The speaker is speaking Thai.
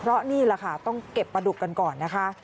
เพราะนี่แหละค่ะต้องเก็บปลาดุกกันก่อนนะคะ